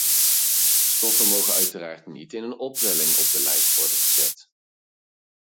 Stoffen mogen uiteraard niet in een opwelling op de lijst worden gezet.